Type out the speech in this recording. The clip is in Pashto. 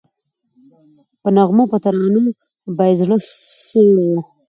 په نغمو په ترانو به یې زړه سوړ وو